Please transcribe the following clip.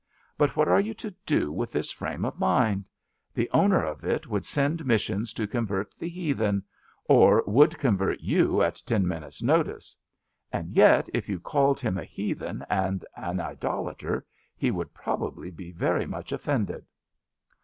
But what are you to do with this frame of mind? The owner of it would send missions to convert the *' heathen,'' or would convert you at ten minutes' notice; and yet if you called him a heathen and an idolater he would probably be very much offended.